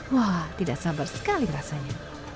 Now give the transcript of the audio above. wah tidak sabar sekali rasanya